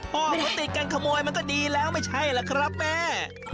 พี่แม่พ่อพอติดกันขโมยมันก็ดีแล้วไม่ใช่แหละครับแม่